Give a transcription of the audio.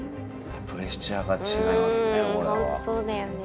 プレッシャーがちがいますね。